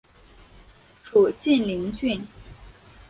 属晋陵郡。